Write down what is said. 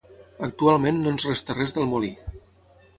Actualment no ens resta res del molí.